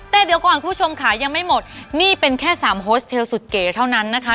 แต่เดี๋ยวก่อนคุณผู้ชมค่ะยังไม่หมดนี่เป็นแค่สามโฮสเทลสุดเก๋เท่านั้นนะคะ